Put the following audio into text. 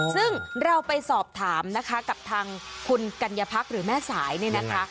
ซึ่งเราไปสอบถามนะคะกับทางคุณกัญญาพักหรือแม่สายเนี่ยนะคะ